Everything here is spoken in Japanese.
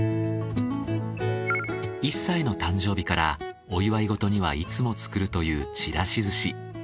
１歳の誕生日からお祝い事にはいつも作るというちらし寿司。